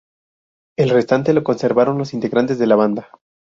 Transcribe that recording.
El restante lo conservaron los integrantes de la banda.